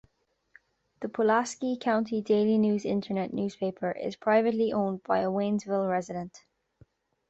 The Pulaski County Daily News internet newspaper is privately owned by a Waynesville resident.